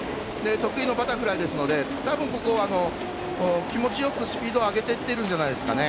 得意のバタフライですので多分ここは気持ちよくスピードを上げていってるんじゃないですかね。